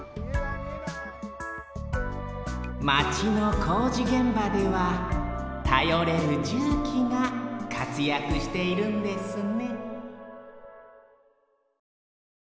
まちの工事現場ではたよれるじゅうきがかつやくしているんですね